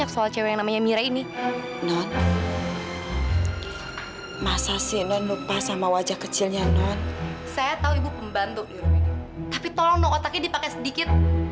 tapi tolong dong otaknya dipakai sedikit